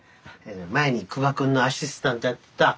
前に久我君のアシスタントやってた佐野君。